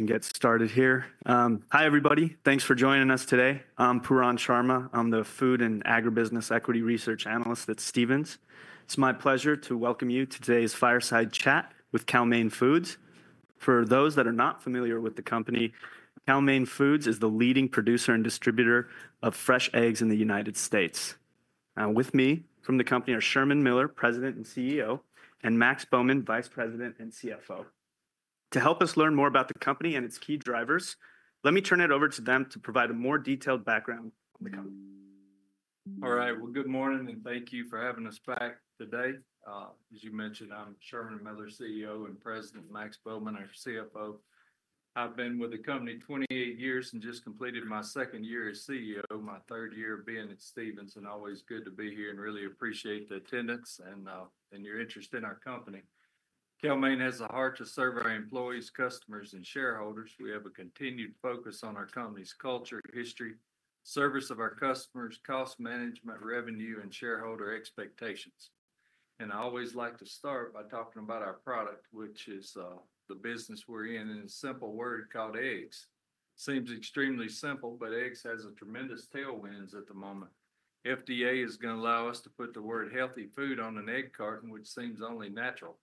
We can get started here. Hi, everybody. Thanks for joining us today. I'm Pooran Sharma. I'm the Food and Agribusiness Equity Research Analyst at Stephens. It's my pleasure to welcome you to today's Fireside Chat with Cal-Maine Foods. For those that are not familiar with the company, Cal-Maine Foods is the leading producer and distributor of fresh eggs in the United States. With me from the company are Sherman Miller, President and CEO, and Max Bowman, Vice President and CFO. To help us learn more about the company and its key drivers, let me turn it over to them to provide a more detailed background on the company. All right. Good morning, and thank you for having us back today. As you mentioned, I'm Sherman Miller, CEO and President, Max Bowman, our CFO. I've been with the company 28 years and just completed my second year as CEO. My third year being at Stephens, and always good to be here, and really appreciate the attendance and your interest in our company. Cal-Maine has a heart to serve our employees, customers, and shareholders. We have a continued focus on our company's culture, history, service of our customers, cost management, revenue, and shareholder expectations. I always like to start by talking about our product, which is the business we're in, and a simple word called eggs. Seems extremely simple, but eggs have tremendous tailwinds at the moment. FDA is going to allow us to put the word healthy food on an egg carton, which seems only natural.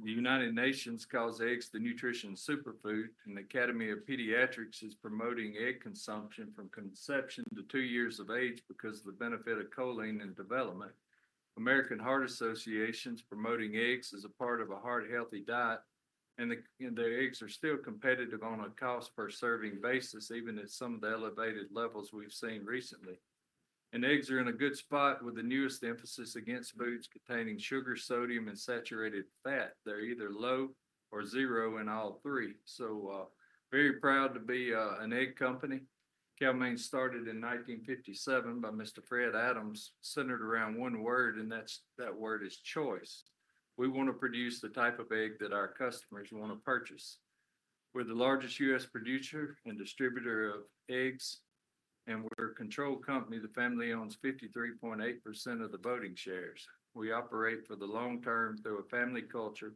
The United Nations calls eggs the nutrition superfood, and the Academy of Pediatrics is promoting egg consumption from conception to two years of age because of the benefit of choline in development. The American Heart Association is promoting eggs as a part of a heart-healthy diet, and the eggs are still competitive on a cost-per-serving basis, even at some of the elevated levels we've seen recently, and eggs are in a good spot with the newest emphasis against foods containing sugar, sodium, and saturated fat. They're either low or zero in all three, so very proud to be an egg company. Cal-Maine started in 1957 by Mr. Fred Adams, centered around one word, and that word is choice. We want to produce the type of egg that our customers want to purchase. We're the largest US producer and distributor of eggs, and we're a controlled company. The family owns 53.8% of the voting shares. We operate for the long term through a family culture.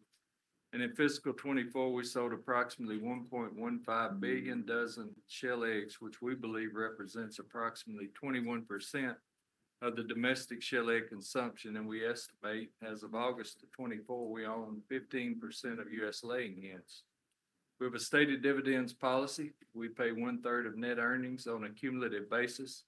In fiscal 2024, we sold approximately 1.15 billion dozen shell eggs, which we believe represents approximately 21% of the domestic shell egg consumption. We estimate as of August of 2024, we own 15% of US laying hens. We have a stated dividends policy. We pay one-third of net earnings on a cumulative basis.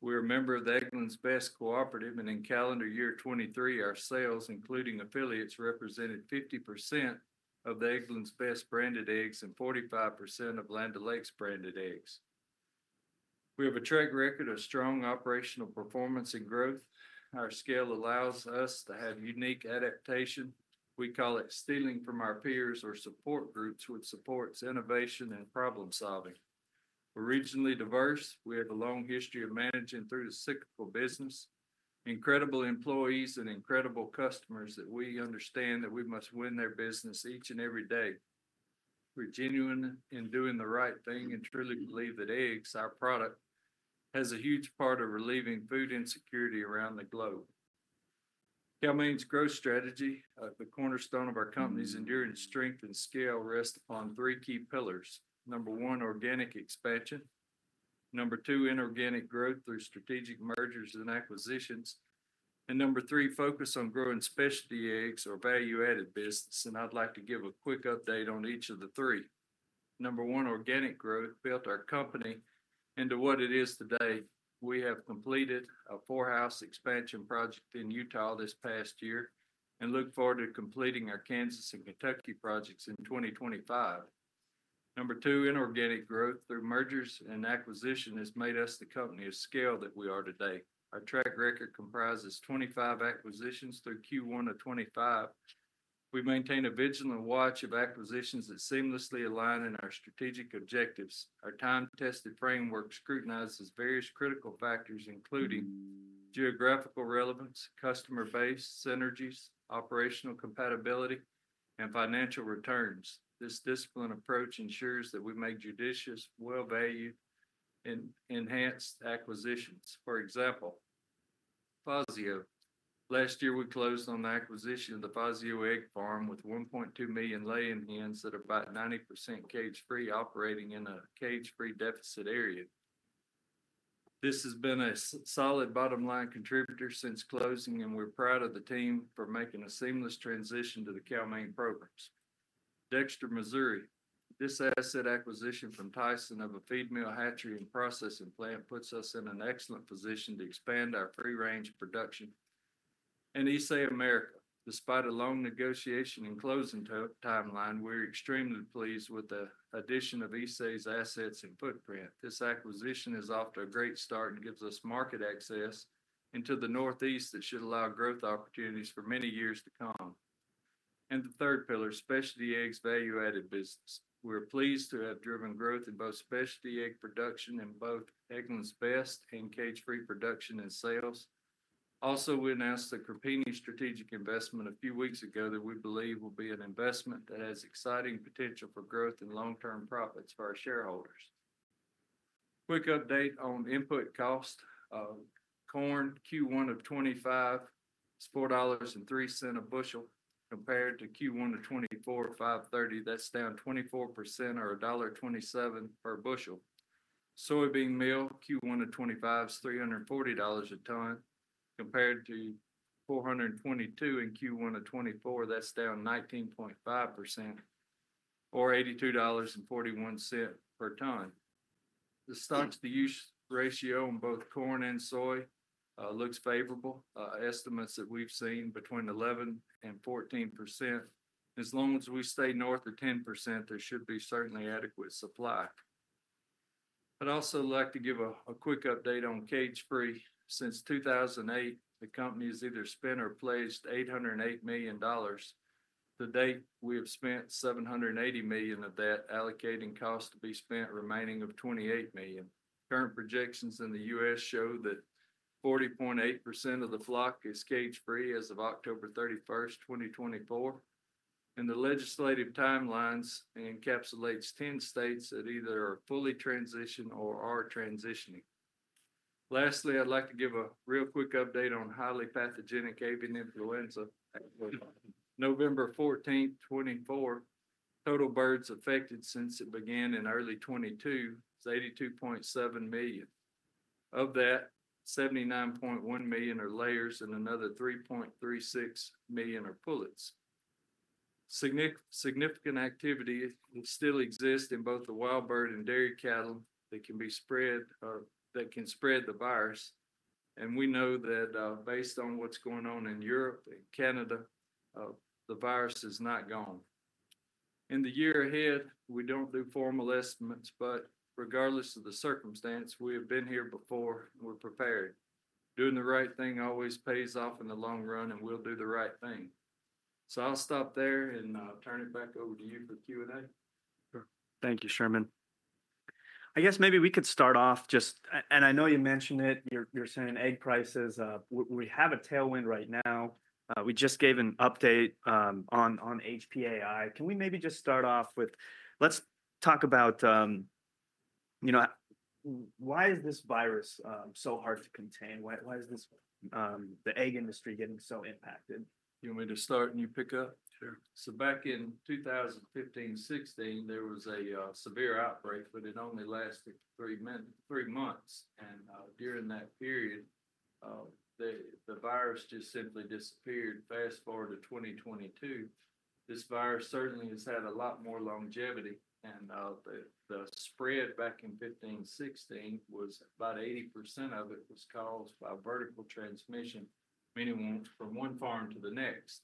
We are a member of the Eggland's Best cooperative, and in calendar year 2023, our sales, including affiliates, represented 50% of the Eggland's Best's branded eggs and 45% of Land O'Lakes' branded eggs. We have a track record of strong operational performance and growth. Our scale allows us to have unique adaptation. We call it stealing from our peers or support groups, which supports innovation and problem-solving. We're regionally diverse. We have a long history of managing through the cyclical business. Incredible employees and incredible customers that we understand that we must win their business each and every day. We're genuine in doing the right thing and truly believe that eggs, our product, have a huge part in relieving food insecurity around the globe. Cal-Maine's growth strategy, the cornerstone of our company's enduring strength and scale, rests upon three key pillars. Number one, organic expansion. Number two, inorganic growth through strategic mergers and acquisitions. And number three, focus on growing specialty eggs or value-added business. And I'd like to give a quick update on each of the three. Number one, organic growth built our company into what it is today. We have completed a four-house expansion project in Utah this past year and look forward to completing our Kansas and Kentucky projects in 2025. Number two, inorganic growth through mergers and acquisitions has made us the company of scale that we are today. Our track record comprises 25 acquisitions through Q1 of 2025. We maintain a vigilant watch of acquisitions that seamlessly align in our strategic objectives. Our time-tested framework scrutinizes various critical factors, including geographical relevance, customer base, synergies, operational compatibility, and financial returns. This disciplined approach ensures that we make judicious, well-valued, and enhanced acquisitions. For example, Fassio: last year, we closed on the acquisition of the Fassio Egg Farm with 1.2 million laying hens that are about 90% cage-free, operating in a cage-free deficit area. This has been a solid bottom-line contributor since closing, and we're proud of the team for making a seamless transition to the Cal-Maine programs. Dexter, Missouri: This asset acquisition from Tyson of a feed mill hatchery and processing plant puts us in an excellent position to expand our cage-free production. And ISE America: despite a long negotiation and closing timeline, we're extremely pleased with the addition of ISE's assets and footprint. This acquisition is off to a great start and gives us market access into the Northeast that should allow growth opportunities for many years to come. And the third pillar, specialty eggs value-added business. We're pleased to have driven growth in both specialty egg production and both Eggland's Best and cage-free production and sales. Also, we announced the Crepini strategic investment a few weeks ago that we believe will be an investment that has exciting potential for growth and long-term profits for our shareholders. Quick update on input cost: Corn, Q1 of 2025 is $4.03 a bushel compared to Q1 of 2024, $5.30. That's down 24% or $1.27 per bushel. Soybean meal, Q1 of 2025 is $340 a ton compared to $422 in Q1 of 2024. That's down 19.5% or $82.41 per ton. The stocks-to-use ratio in both corn and soy looks favorable. Estimates that we've seen between 11% and 14%. As long as we stay north of 10%, there should be certainly adequate supply. I'd also like to give a quick update on cage-free. Since 2008, the company has either spent or placed $808 million. To date, we have spent $780 million of that, allocating costs to be spent, remaining of $28 million. Current projections in the US show that 40.8% of the flock is cage-free as of October 31, 2024, and the legislative timelines encapsulate 10 states that either are fully transitioned or are transitioning. Lastly, I'd like to give a real quick update on highly pathogenic avian influenza. November 14, 2024, total birds affected since it began in early 2022 was 82.7 million. Of that, 79.1 million are layers and another 3.36 million are pullets. Significant activity still exists in both the wild bird and dairy cattle that can spread the virus. We know that based on what's going on in Europe and Canada, the virus is not gone. In the year ahead, we don't do formal estimates, but regardless of the circumstance, we have been here before and we're prepared. Doing the right thing always pays off in the long run, and we'll do the right thing. I'll stop there and turn it back over to you for Q&A. Thank you, Sherman. I guess maybe we could start off just, and I know you mentioned it. You're saying egg prices. We have a tailwind right now. We just gave an update on HPAI. Can we maybe just start off with, let's talk about, you know, why is this virus so hard to contain? Why is the egg industry getting so impacted? You want me to start and you pick up? Sure. So back in 2015, 2016, there was a severe outbreak, but it only lasted three months. And during that period, the virus just simply disappeared. Fast forward to 2022, this virus certainly has had a lot more longevity. And the spread back in 2015, 2016 was about 80% of it was caused by vertical transmission, meaning from one farm to the next.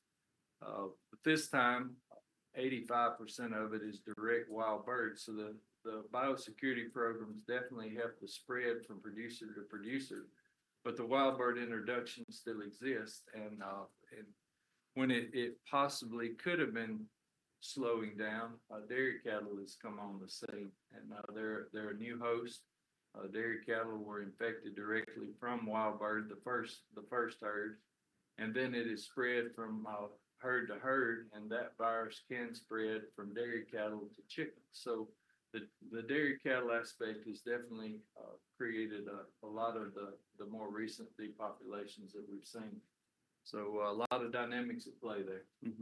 But this time, 85% of it is direct wild birds. So the biosecurity programs definitely have to spread from producer to producer. But the wild bird introduction still exists. And when it possibly could have been slowing down, dairy cattle has come on the scene. And there are new hosts. Dairy cattle were infected directly from wild bird, the first herd. And then it has spread from herd to herd. And that virus can spread from dairy cattle to chickens. The dairy cattle aspect has definitely created a lot of the more recent depopulations that we've seen. So a lot of dynamics at play there.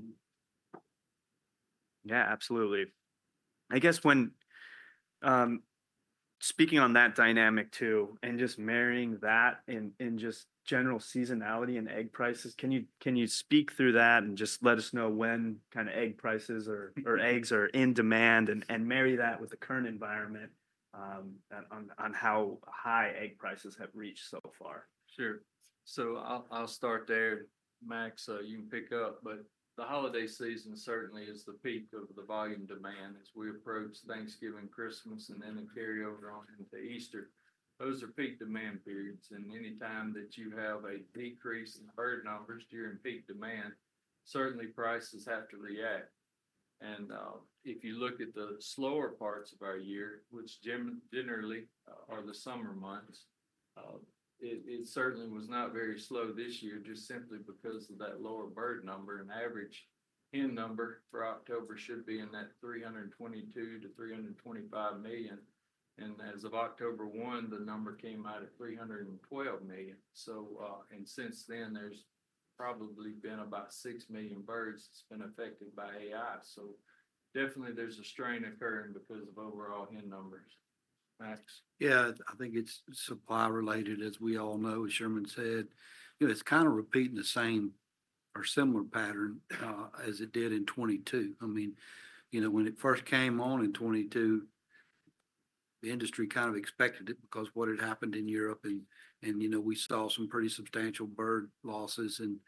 Yeah, absolutely. I guess when speaking on that dynamic too, and just marrying that in just general seasonality and egg prices, can you speak through that and just let us know when kind of egg prices or eggs are in demand and marry that with the current environment on how high egg prices have reached so far? Sure. So I'll start there. Max, you can pick up. But the holiday season certainly is the peak of the volume demand as we approach Thanksgiving, Christmas, and then the carryover on into Easter. Those are peak demand periods. And anytime that you have a decrease in bird numbers during peak demand, certainly prices have to react. And if you look at the slower parts of our year, which generally are the summer months, it certainly was not very slow this year just simply because of that lower bird number. And average hen number for October should be in that 322-325 million. And as of October 1, the number came out at 312 million. And since then, there's probably been about six million birds that's been affected by AI. So definitely there's a strain occurring because of overall hen numbers. Max? Yeah, I think it's supply-related, as we all know. As Sherman said, it's kind of repeating the same or similar pattern as it did in 2022. I mean, when it first came on in 2022, the industry kind of expected it because of what had happened in Europe, and we saw some pretty substantial bird losses, and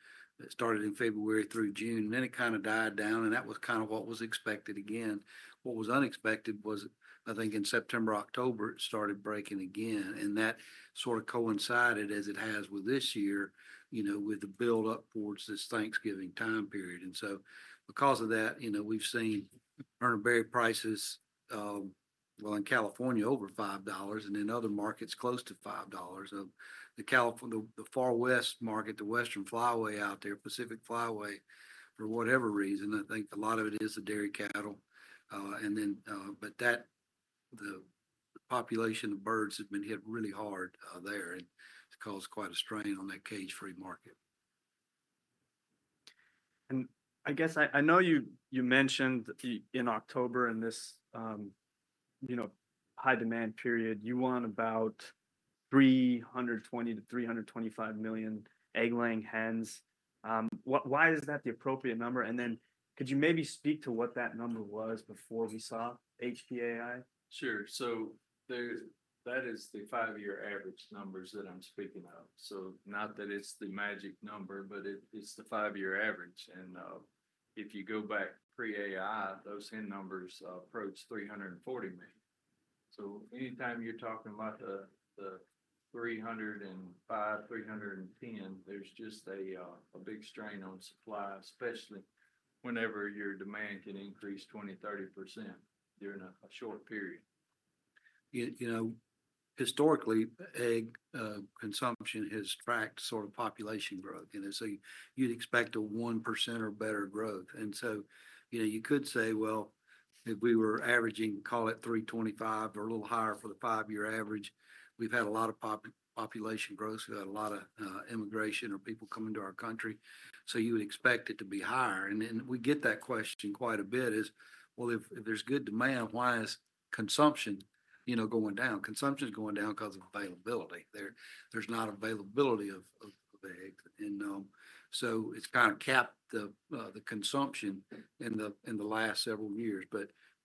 it started in February through June, and then it kind of died down, and that was kind of what was expected again. What was unexpected was, I think in September, October, it started breaking again, and that sort of coincided as it has with this year with the build-up towards this Thanksgiving time period, and so because of that, we've seen Urner Barry prices, well, in California, over $5 and in other markets close to $5. The far west market, the western flyway out there, Pacific Flyway, for whatever reason, I think a lot of it is the dairy cattle. And then, but the population of birds has been hit really hard there. And it's caused quite a strain on that cage-free market. I guess I know you mentioned in October in this high-demand period, you want about 320-325 million egg-laying hens. Why is that the appropriate number? Then could you maybe speak to what that number was before we saw HPAI? Sure. So that is the five-year average numbers that I'm speaking of. So not that it's the magic number, but it's the five-year average. And if you go back pre-AI, those high-end numbers approach 340 million. So anytime you're talking about the 305, 310, there's just a big strain on supply, especially whenever your demand can increase 20%-30% during a short period. Historically, egg consumption has tracked sort of population growth. And so you'd expect a 1% or better growth. And so you could say, well, if we were averaging, call it 325 or a little higher for the five-year average, we've had a lot of population growth. We've had a lot of immigration or people coming to our country. So you would expect it to be higher. And then we get that question quite a bit is, well, if there's good demand, why is consumption going down? Consumption's going down because of availability. There's not availability of eggs. And so it's kind of capped the consumption in the last several years.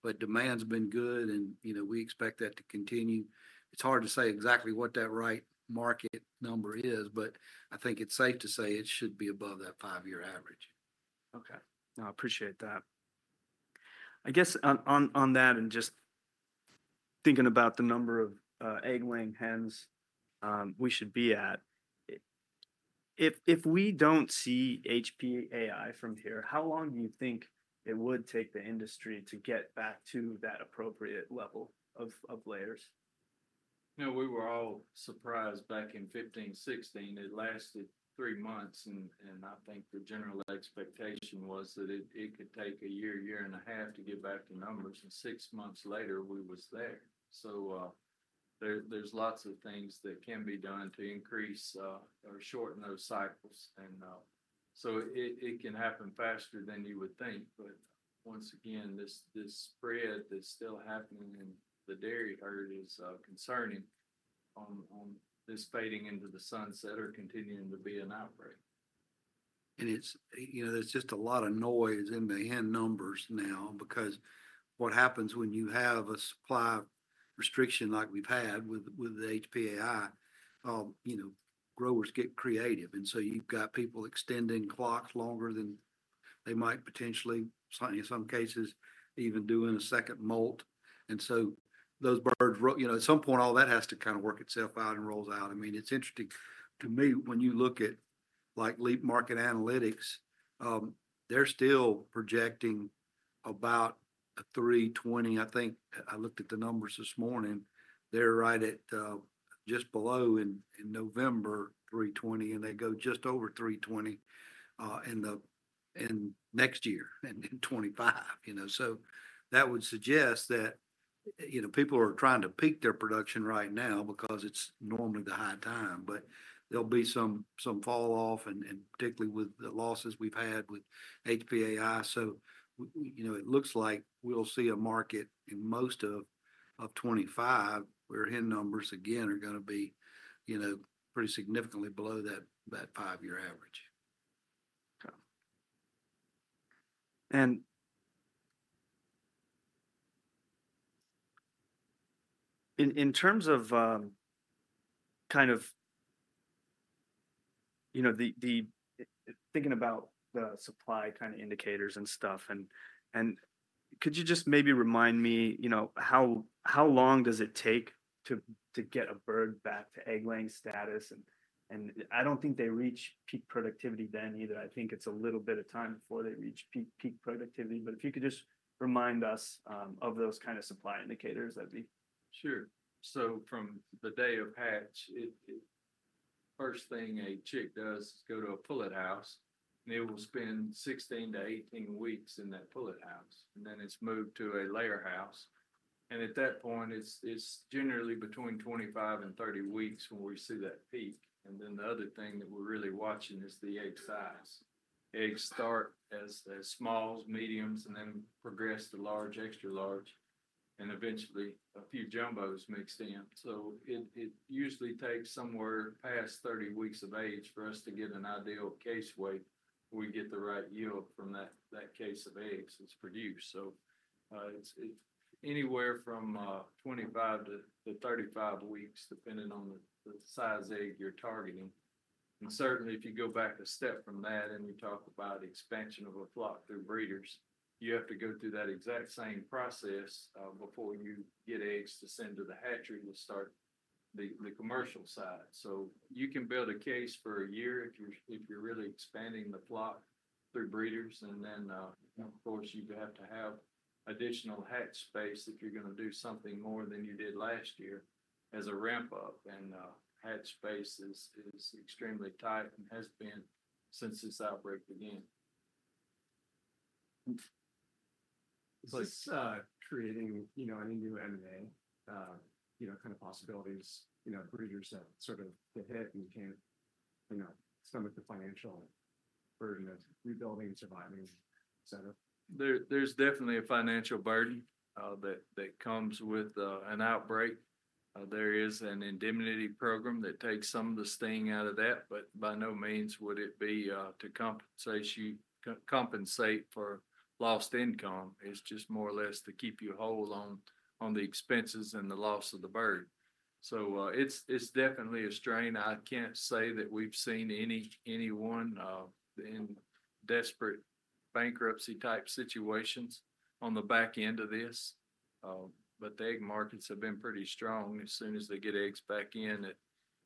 But demand's been good. And we expect that to continue. It's hard to say exactly what that right market number is. But I think it's safe to say it should be above that five-year average. Okay. I appreciate that. I guess on that and just thinking about the number of egg-laying hens we should be at, if we don't see HPAI from here, how long do you think it would take the industry to get back to that appropriate level of layers? You know, we were all surprised back in 2015, 2016. It lasted three months. And I think the general expectation was that it could take a year, year and a half to get back to numbers. And six months later, we was there. So there's lots of things that can be done to increase or shorten those cycles. And so it can happen faster than you would think. But once again, this spread that's still happening in the dairy herd is concerning on this fading into the sunset or continuing to be an outbreak. And there's just a lot of noise in the hen numbers now because what happens when you have a supply restriction like we've had with the HPAI. Growers get creative. And so you've got people extending flocks longer than they might potentially, in some cases, even doing a second molt. And so those birds, at some point, all that has to kind of work itself out and rolls out. I mean, it's interesting to me when you look at like LEAP Market Analytics. They're still projecting about a 320. I think I looked at the numbers this morning. They're right at just below in November, 320. And they go just over 320 in next year and in 2025. So that would suggest that people are trying to peak their production right now because it's normally the high time. But there'll be some fall off, and particularly with the losses we've had with HPAI. So it looks like we'll see a market in most of 2025 where hen numbers, again, are going to be pretty significantly below that five-year average. Okay, and in terms of kind of thinking about the supply kind of indicators and stuff, could you just maybe remind me how long does it take to get a bird back to egg-laying status? And I don't think they reach peak productivity then either. I think it's a little bit of time before they reach peak productivity. But if you could just remind us of those kind of supply indicators, that'd be. Sure, so from the day of hatch, first thing a chick does is go to a pullet house, and it will spend 16 to 18 weeks in that pullet house, and then it's moved to a layer house, and at that point, it's generally between 25 and 30 weeks when we see that peak, and then the other thing that we're really watching is the egg size. Eggs start as smalls, mediums, and then progress to large, extra large, and eventually a few jumbos mixed in, so it usually takes somewhere past 30 weeks of age for us to get an ideal case weight. We get the right yield from that case of eggs that's produced, so it's anywhere from 25 to 35 weeks, depending on the size egg you're targeting. And certainly, if you go back a step from that and you talk about expansion of a flock through breeders, you have to go through that exact same process before you get eggs to send to the hatchery to start the commercial side. So you can build a case for a year if you're really expanding the flock through breeders. And then, of course, you have to have additional hatch space if you're going to do something more than you did last year as a ramp-up. And hatch space is extremely tight and has been since this outbreak began. So, creating M&A kind of possibilities, breeders have sort of been hit and can't stomach the financial burden of rebuilding and surviving, etc.? There's definitely a financial burden that comes with an outbreak. There is an indemnity program that takes some of the sting out of that. But by no means would it be to compensate for lost income. It's just more or less to keep you whole on the expenses and the loss of the bird. So it's definitely a strain. I can't say that we've seen anyone in desperate bankruptcy-type situations on the back end of this. But the egg markets have been pretty strong. As soon as they get eggs back in,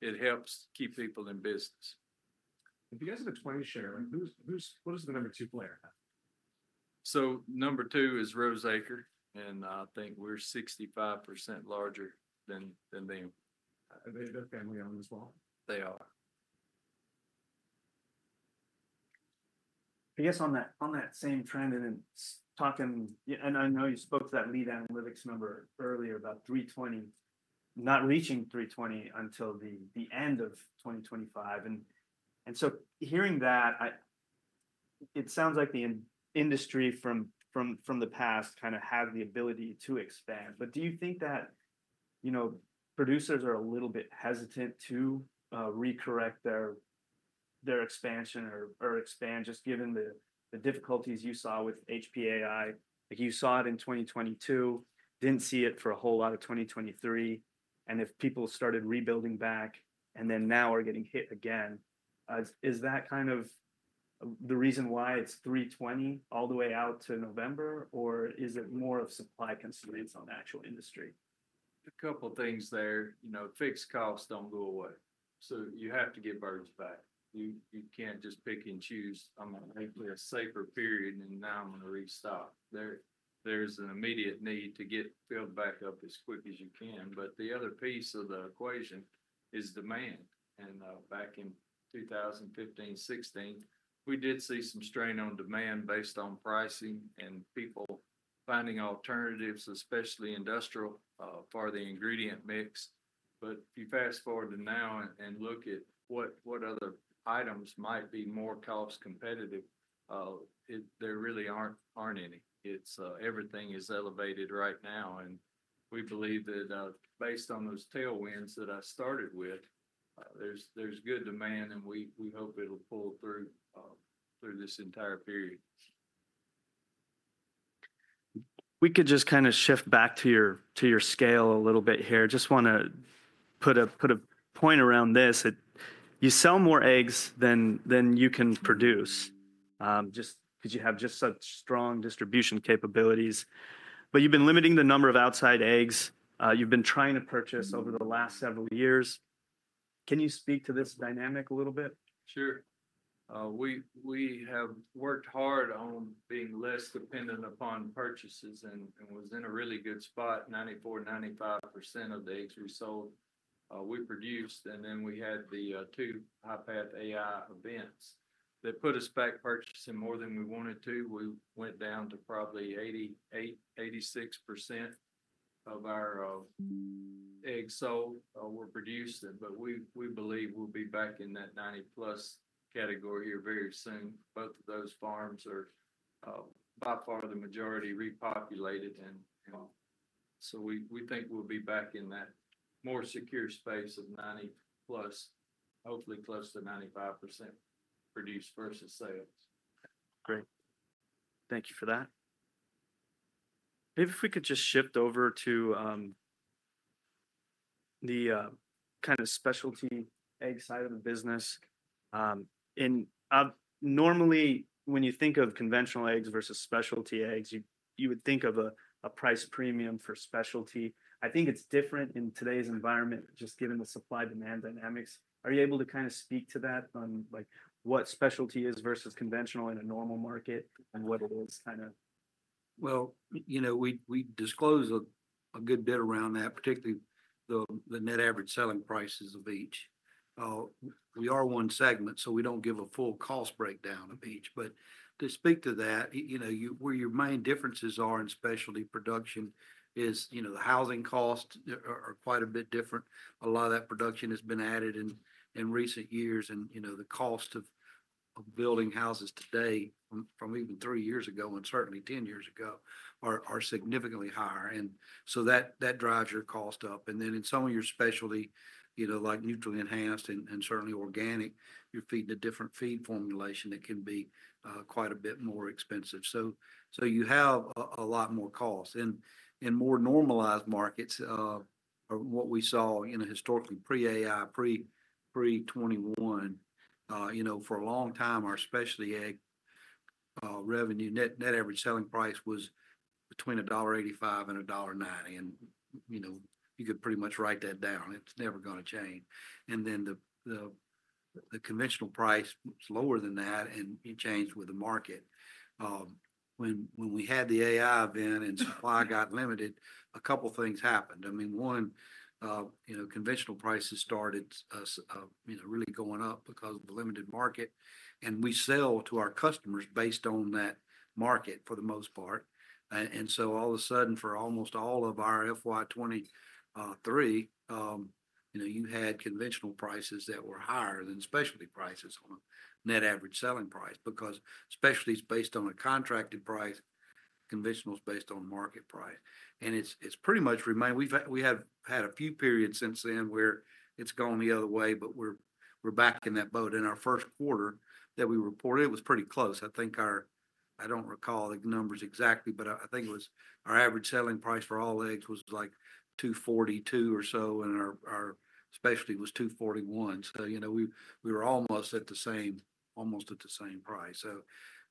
it helps keep people in business. If you guys have a 20-share, what is the number two player? Number two is Rose Acre. I think we're 65% larger than them. They're family-owned as well. They are. I guess on that same trend, and I know you spoke to that LEAP Market Analytics number earlier about 320, not reaching 320 until the end of 2025, and so hearing that, it sounds like the industry from the past kind of had the ability to expand, but do you think that producers are a little bit hesitant to recorrect their expansion or expand just given the difficulties you saw with HPAI? You saw it in 2022, didn't see it for a whole lot of 2023, and if people started rebuilding back and then now are getting hit again, is that kind of the reason why it's 320 all the way out to November, or is it more of supply constraints on the actual industry? A couple of things there. Fixed costs don't go away. So you have to get birds back. You can't just pick and choose. I'm going to make a safer period, and now I'm going to restock. There's an immediate need to get filled back up as quick as you can. But the other piece of the equation is demand. And back in 2015, 2016, we did see some strain on demand based on pricing and people finding alternatives, especially industrial for the ingredient mix. But if you fast forward to now and look at what other items might be more cost competitive, there really aren't any. Everything is elevated right now. And we believe that based on those tailwinds that I started with, there's good demand. And we hope it'll pull through this entire period. We could just kind of shift back to your scale a little bit here. Just want to put a point around this. You sell more eggs than you can produce just because you have just such strong distribution capabilities. But you've been limiting the number of outside eggs you've been trying to purchase over the last several years. Can you speak to this dynamic a little bit? Sure. We have worked hard on being less dependent upon purchases and was in a really good spot. 94-95% of the eggs we sold, we produced. And then we had the two HPAI events that put us back purchasing more than we wanted to. We went down to probably 88-86% of our eggs sold were produced. But we believe we'll be back in that 90-plus category here very soon. Both of those farms are by far the majority repopulated. And so we think we'll be back in that more secure space of 90-plus, hopefully close to 95% produced versus sales. Great. Thank you for that. Maybe if we could just shift over to the kind of specialty egg side of the business. And normally, when you think of conventional eggs versus specialty eggs, you would think of a price premium for specialty. I think it's different in today's environment, just given the supply-demand dynamics. Are you able to kind of speak to that on what specialty is versus conventional in a normal market and what it is kind of? We disclose a good bit around that, particularly the net average selling prices of each. We are one segment, so we don't give a full cost breakdown of each. To speak to that, where your main differences are in specialty production is the housing costs are quite a bit different. A lot of that production has been added in recent years. The cost of building houses today from even three years ago and certainly 10 years ago are significantly higher. That drives your cost up. In some of your specialty, like nutrient enhanced and certainly organic, you're feeding a different feed formulation that can be quite a bit more expensive. You have a lot more costs. In more normalized markets, what we saw historically pre-AI, pre-21, for a long time, our specialty egg revenue, net average selling price was between $1.85-$1.90. You could pretty much write that down. It's never going to change. Then the conventional price was lower than that, and it changed with the market. When we had the AI event and supply got limited, a couple of things happened. I mean, one, conventional prices started really going up because of the limited market. We sell to our customers based on that market for the most part. So all of a sudden, for almost all of our FY 2023, you had conventional prices that were higher than specialty prices on a net average selling price because specialty is based on a contracted price. Conventional is based on market price. It's pretty much remained. We have had a few periods since then where it's gone the other way, but we're back in that boat. In our first quarter that we reported, it was pretty close. I think our - I don't recall the numbers exactly, but I think it was our average selling price for all eggs was like 242 or so, and our specialty was 241, so we were almost at the same, almost at the same price, so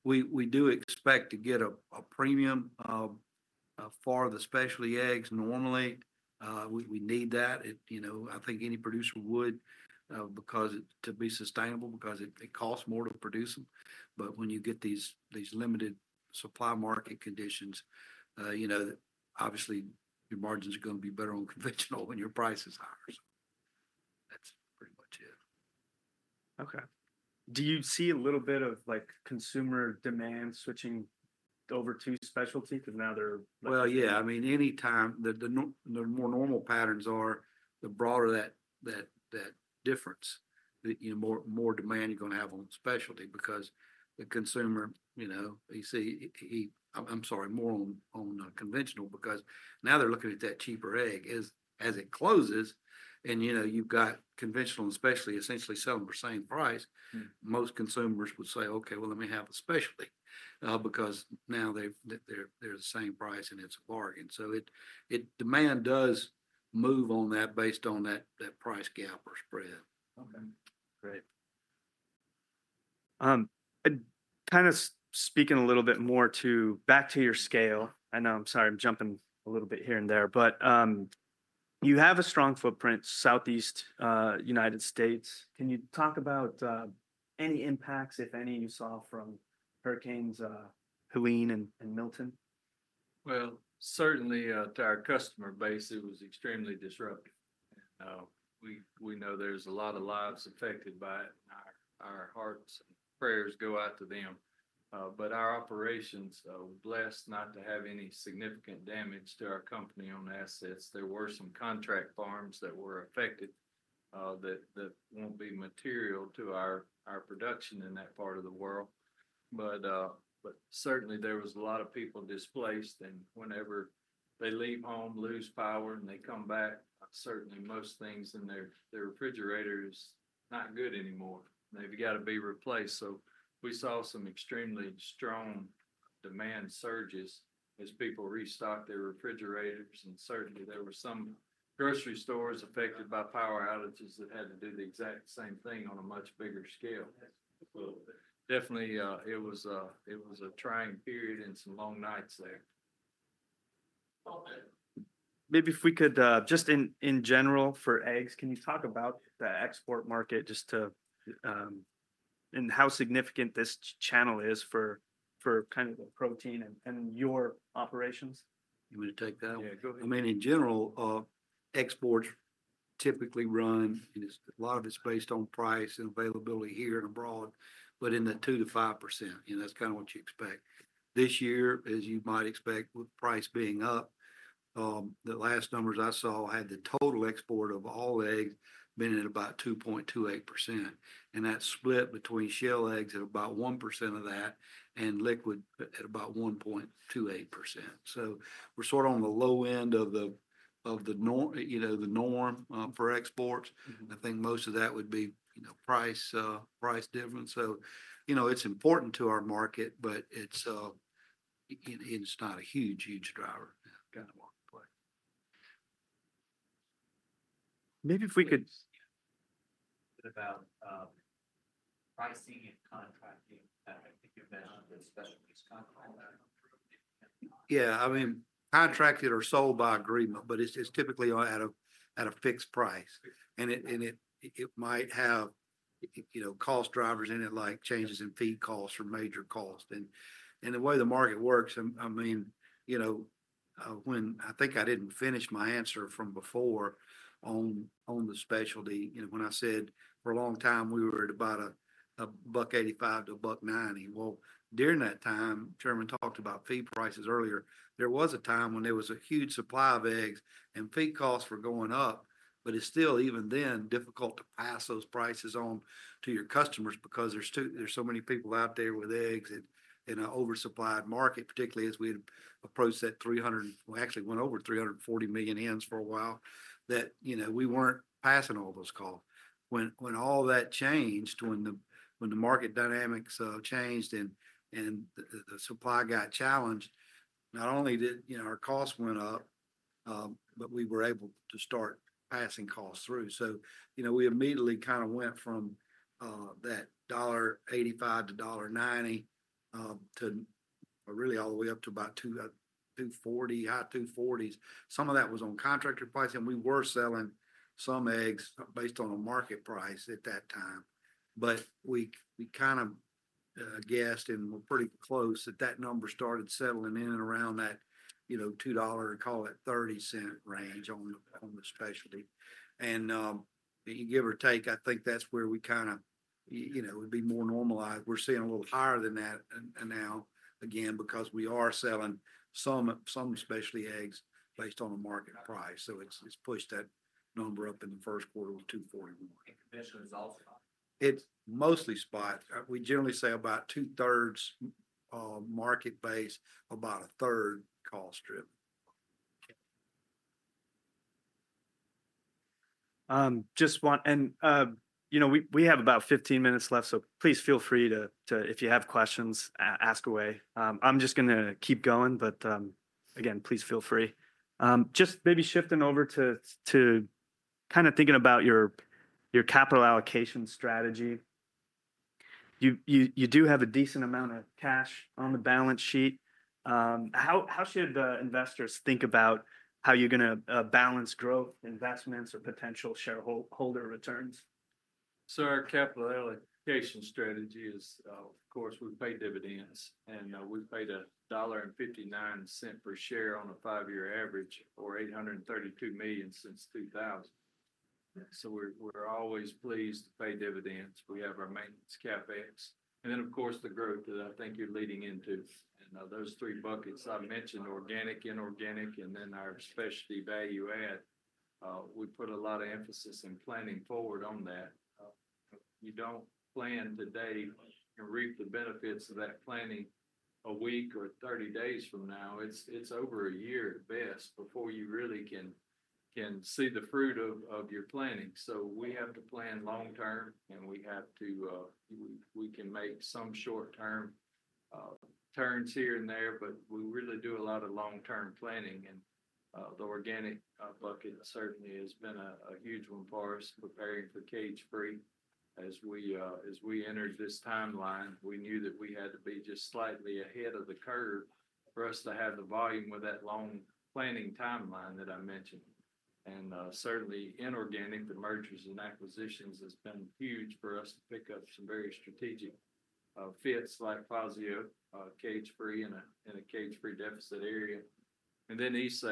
we do expect to get a premium for the specialty eggs normally. We need that. I think any producer would because to be sustainable because it costs more to produce them, but when you get these limited supply market conditions, obviously, your margins are going to be better on conventional when your price is higher, so that's pretty much it. Okay. Do you see a little bit of consumer demand switching over to specialty? Yeah. I mean, anytime the more normal patterns are the broader that difference. More demand you're going to have on specialty because the consumer, you see, I'm sorry, more on conventional because now they're looking at that cheaper egg as it closes. And you've got conventional and specialty essentially selling for the same price. Most consumers would say, "Okay, well, let me have a specialty because now they're the same price and it's a bargain." So demand does move on that based on that price gap or spread. Okay. Great. And kind of speaking a little bit more back to your scale, I know, I'm sorry, I'm jumping a little bit here and there, but you have a strong footprint Southeast United States. Can you talk about any impacts, if any, you saw from Hurricanes Helene and Milton? Well, certainly to our customer base, it was extremely disruptive. We know there's a lot of lives affected by it. Our hearts and prayers go out to them. But our operations were blessed not to have any significant damage to our company on assets. There were some contract farms that were affected that won't be material to our production in that part of the world. But certainly, there was a lot of people displaced. And whenever they leave home, lose power, and they come back, certainly most things in their refrigerator is not good anymore. They've got to be replaced. So we saw some extremely strong demand surges as people restocked their refrigerators. And certainly, there were some grocery stores affected by power outages that had to do the exact same thing on a much bigger scale. Definitely, it was a trying period and some long nights there. Maybe if we could just in general for eggs, can you talk about the export market just to and how significant this channel is for kind of the protein and your operations? Can I take that one? Yeah, go ahead. I mean, in general, exports typically run a lot of it. It's based on price and availability here and abroad, but in the 2%-5%. That's kind of what you expect. This year, as you might expect, with price being up, the last numbers I saw had the total export of all eggs been at about 2.28%. And that's split between shell eggs at about 1% of that and liquid at about 1.28%. So we're sort of on the low end of the norm for exports. I think most of that would be price difference. So it's important to our market, but it's not a huge, huge driver. Maybe if we could. [inaudible] Yeah. I mean, contracted or sold by agreement, but it's typically at a fixed price. And it might have cost drivers in it like changes in feed costs or major costs. And the way the market works, I mean, when I think I didn't finish my answer from before on the specialty, when I said for a long time we were at about $1.85-$1.90. Well, during that time, Chairman talked about feed prices earlier. There was a time when there was a huge supply of eggs and feed costs were going up. But it's still, even then, difficult to pass those prices on to your customers because there's so many people out there with eggs in an oversupplied market, particularly as we had approached that 300, well, actually went over 340 million hens for a while that we weren't passing all those costs. When all that changed, when the market dynamics changed and the supply got challenged, not only did our costs went up, but we were able to start passing costs through. So we immediately kind of went from that $0.85 to $0.90 to really all the way up to about $2.40, high $2.40s. Some of that was on contract pricing. We were selling some eggs based on a market price at that time. But we kind of guessed and were pretty close that that number started settling in and around that $2.30 range on the specialty. And give or take, I think that's where we kind of would be more normalized. We're seeing a little higher than that now again because we are selling some specialty eggs based on a market price. So it's pushed that number up in the first quarter with $2.41. Conventional is also high? It's mostly spot. We generally say about two-thirds market base, about a third cost driven. We have about 15 minutes left, so please feel free to, if you have questions, ask away. I'm just going to keep going, but again, please feel free. Just maybe shifting over to kind of thinking about your capital allocation strategy. You do have a decent amount of cash on the balance sheet. How should investors think about how you're going to balance growth investments or potential shareholder returns? Our capital allocation strategy is, of course, we pay dividends. We've paid $1.59 per share on a five-year average for $832 million since 2000. We're always pleased to pay dividends. We have our maintenance CapEx. Then, of course, the growth that I think you're leading into. Those three buckets I mentioned, organic, inorganic, and then our specialty value add. We put a lot of emphasis in planning forward on that. You don't plan today and reap the benefits of that planning a week or 30 days from now. It's over a year at best before you really can see the fruit of your planning. We have to plan long-term, and we can make some short-term turns here and there, but we really do a lot of long-term planning. And the organic bucket certainly has been a huge one for us, preparing for cage-free. As we entered this timeline, we knew that we had to be just slightly ahead of the curve for us to have the volume with that long planning timeline that I mentioned. And certainly, inorganic, the mergers and acquisitions has been huge for us to pick up some very strategic fits like Fassio cage-free in a cage-free deficit area. And then ISE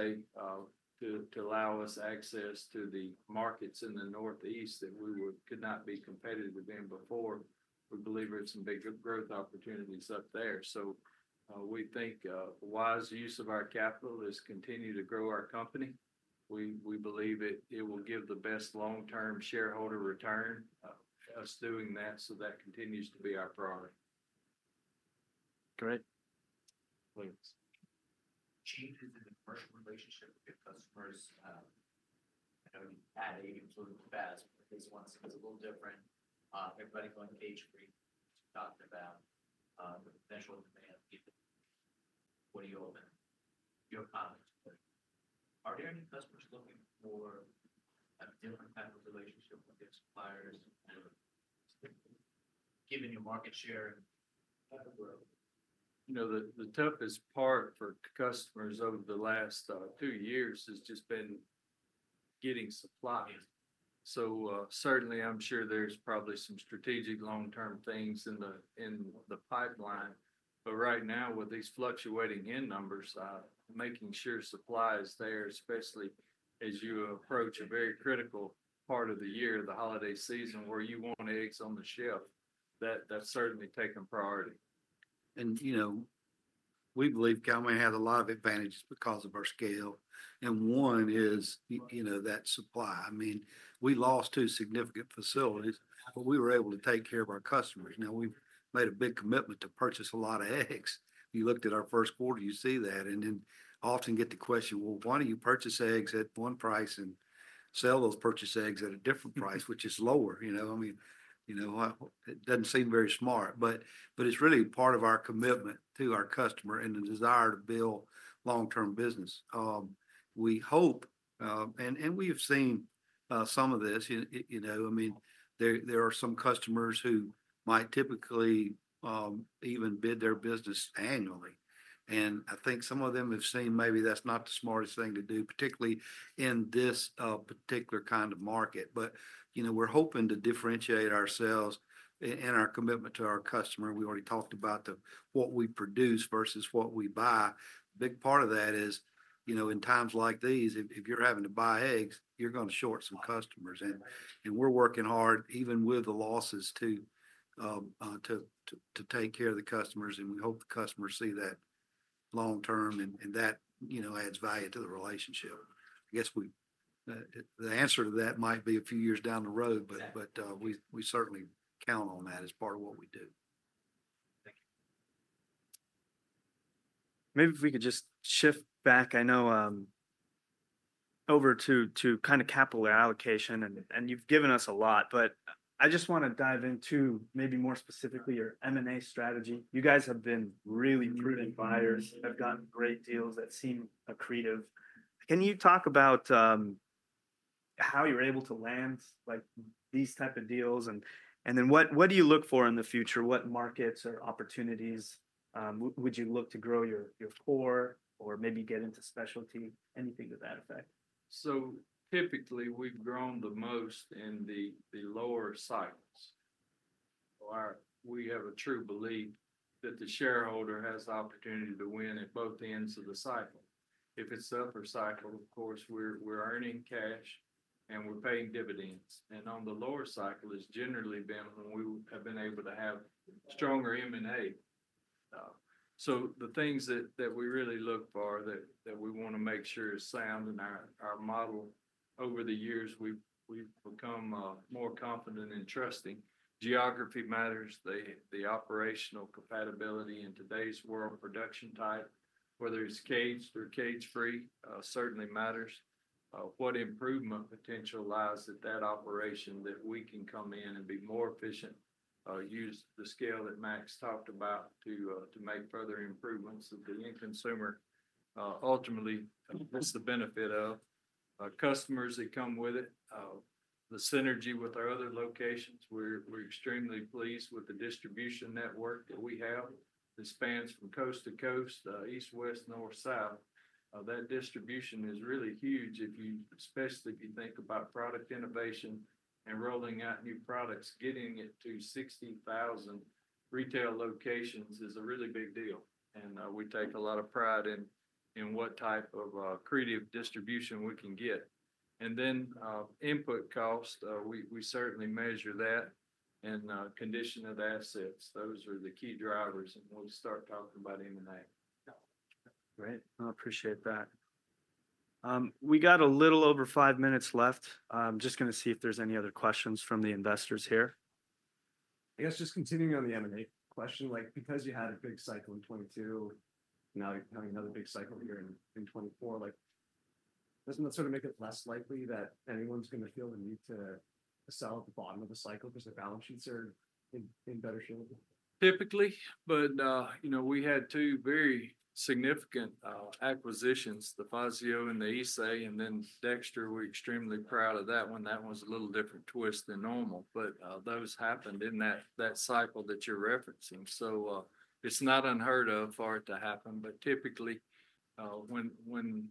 to allow us access to the markets in the Northeast that we could not be competitive within before. We believe there's some big growth opportunities up there. So we think wise use of our capital is continue to grow our company. We believe it will give the best long-term shareholder return us doing that. So that continues to be our priority. Great. Changes in the commercial relationship with your customers. I know you add capacity really fast, but this one seems a little different. Everybody going to cage-free, you talked about the potential demand. What are your comments? Are there any customers looking for a different type of relationship with their suppliers given your market share and type of growth? The toughest part for customers over the last two years has just been getting supplies. So certainly, I'm sure there's probably some strategic long-term things in the pipeline. But right now, with these fluctuating end numbers, making sure supply is there, especially as you approach a very critical part of the year, the holiday season, where you want eggs on the shelf, that's certainly taken priority. We believe Cal-Maine has a lot of advantages because of our scale. One is that supply. I mean, we lost two significant facilities, but we were able to take care of our customers. Now, we've made a big commitment to purchase a lot of eggs. You looked at our first quarter, you see that. Then often get the question, "Well, why don't you purchase eggs at one price and sell those purchased eggs at a different price, which is lower?" I mean, it doesn't seem very smart, but it's really part of our commitment to our customer and the desire to build long-term business. We hope, and we have seen some of this. I mean, there are some customers who might typically even bid their business annually. I think some of them have seen maybe that's not the smartest thing to do, particularly in this particular kind of market. But we're hoping to differentiate ourselves in our commitment to our customer. We already talked about what we produce versus what we buy. Big part of that is in times like these, if you're having to buy eggs, you're going to short some customers. We're working hard even with the losses to take care of the customers. We hope the customers see that long-term, and that adds value to the relationship. I guess the answer to that might be a few years down the road, but we certainly count on that as part of what we do. Thank you. Maybe if we could just shift back, I know, over to kind of capital allocation, and you've given us a lot, but I just want to dive into maybe more specifically your M&A strategy. You guys have been really prudent buyers. Have gotten great deals that seem accretive. Can you talk about how you're able to land these type of deals? And then what do you look for in the future? What markets or opportunities would you look to grow your core or maybe get into specialty, anything to that effect? So typically, we've grown the most in the lower cycles. We have a true belief that the shareholder has the opportunity to win at both ends of the cycle. If it's the upper cycle, of course, we're earning cash and we're paying dividends. And on the lower cycle, it's generally been when we have been able to have stronger M&A. So the things that we really look for that we want to make sure is sound in our model over the years, we've become more confident in trusting geography matters. The operational compatibility in today's world production type, whether it's caged or cage-free, certainly matters. What improvement potential lies at that operation that we can come in and be more efficient, use the scale that Max talked about to make further improvements that the end consumer ultimately gets the benefit of customers that come with it. The synergy with our other locations, we're extremely pleased with the distribution network that we have. It spans from coast to coast, east, west, north, south. That distribution is really huge, especially if you think about product innovation and rolling out new products, getting it to 60,000 retail locations is a really big deal, and we take a lot of pride in what type of accretive distribution we can get, and then input cost, we certainly measure that and condition of assets. Those are the key drivers, and we'll start talking about M&A. Great. I appreciate that. We got a little over five minutes left. I'm just going to see if there's any other questions from the investors here. I guess just continuing on the M&A question, because you had a big cycle in 2022, now you have another big cycle here in 2024, doesn't that sort of make it less likely that anyone's going to feel the need to sell at the bottom of the cycle because their balance sheets are in better shape? Typically, but we had two very significant acquisitions, the Fassio and the ISE, and then Dexter. We're extremely proud of that one. That one's a little different twist than normal, but those happened in that cycle that you're referencing. So it's not unheard of for it to happen. But typically, when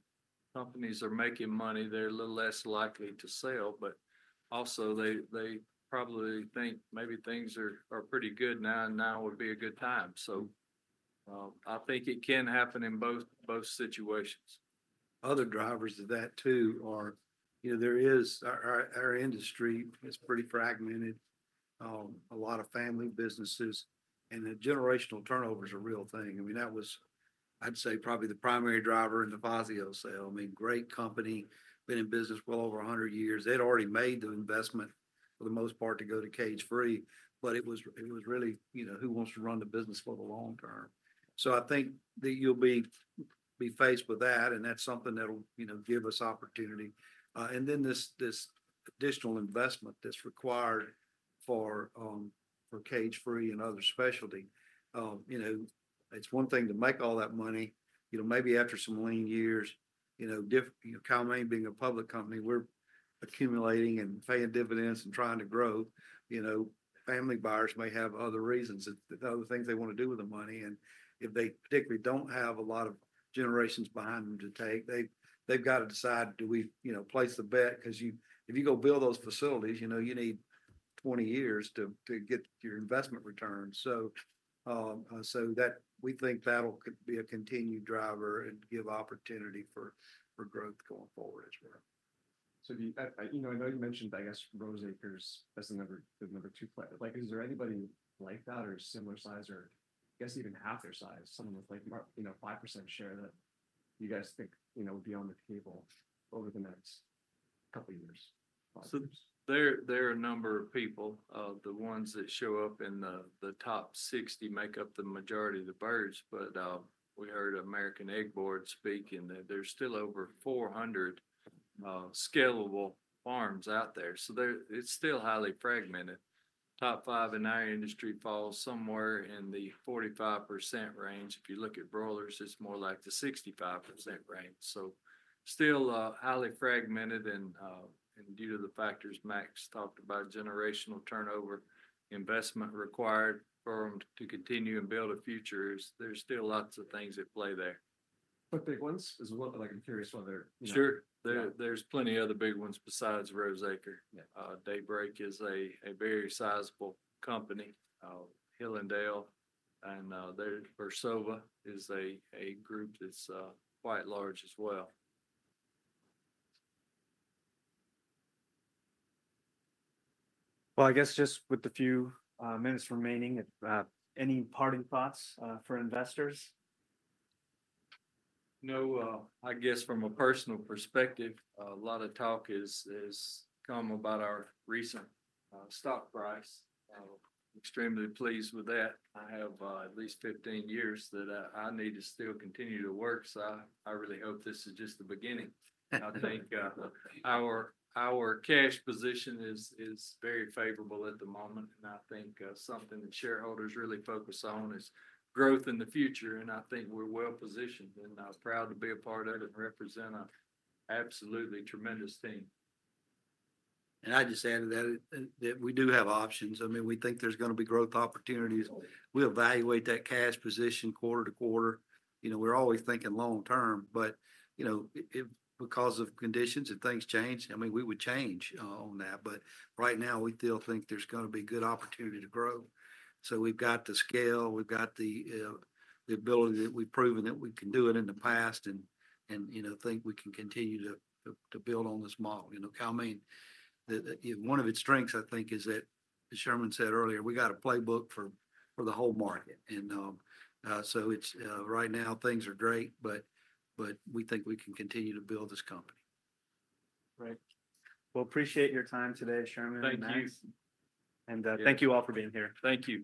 companies are making money, they're a little less likely to sell. But also, they probably think maybe things are pretty good now, and now would be a good time. So I think it can happen in both situations. Other drivers of that too are there is our industry. It's pretty fragmented, a lot of family businesses, and the generational turnover is a real thing. I mean, that was, I'd say, probably the primary driver in the Fassio sale. I mean, great company, been in business well over 100 years. They'd already made the investment for the most part to go to cage-free, but it was really who wants to run the business for the long term. So I think that you'll be faced with that, and that's something that'll give us opportunity. And then this additional investment that's required for cage-free and other specialty, it's one thing to make all that money. Maybe after some lean years, Cal-Maine being a public company, we're accumulating and paying dividends and trying to grow. Family buyers may have other reasons, other things they want to do with the money. And if they particularly don't have a lot of generations behind them to take, they've got to decide, "Do we place the bet?" Because if you go build those facilities, you need 20 years to get your investment returns. So we think that'll be a continued driver and give opportunity for growth going forward as well. I know you mentioned, I guess, Rose Acre Farms as the number two player. Is there anybody like that or similar size or, I guess, even half their size, someone with 5% share that you guys think would be on the table over the next couple of years? So there are a number of people. The ones that show up in the top 60 make up the majority of the birds. But we heard American Egg Board speaking that there's still over 400 scalable farms out there. So it's still highly fragmented. Top five in our industry falls somewhere in the 45% range. If you look at broilers, it's more like the 65% range. So still highly fragmented. And due to the factors Max talked about, generational turnover, investment required for them to continue and build a future, there's still lots of things at play there. But big ones as well? I'm curious whether. Sure. There's plenty of other big ones besides Rose Acre. Daybreak is a very sizable company. Hillandale and their Versova is a group that's quite large as well. Well, I guess just with the few minutes remaining, any parting thoughts for investors? No. I guess from a personal perspective, a lot of talk has come about our recent stock price. Extremely pleased with that. I have at least 15 years that I need to still continue to work. So I really hope this is just the beginning. I think our cash position is very favorable at the moment. And I think something that shareholders really focus on is growth in the future. And I think we're well positioned and proud to be a part of it and represent an absolutely tremendous team. I just add to that that we do have options. I mean, we think there's going to be growth opportunities. We evaluate that cash position quarter to quarter. We're always thinking long term, but because of conditions, if things change, I mean, we would change on that. But right now, we still think there's going to be good opportunity to grow. So we've got the scale. We've got the ability that we've proven that we can do it in the past and think we can continue to build on this model. Cal-Maine, one of its strengths, I think, is that Sherman said earlier, "We got a playbook for the whole market." And so right now, things are great, but we think we can continue to build this company. Great. Well, appreciate your time today, Sherman. Thank you. Thank you all for being here. Thank you.